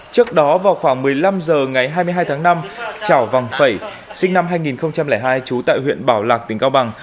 trước đó vào khoảng một mươi năm h ngày hai mươi hai tháng năm trảo vòng phẩy sinh năm hai nghìn hai trú tại huyện bảo lạc tỉnh cao bằng